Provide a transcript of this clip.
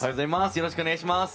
よろしくお願いします。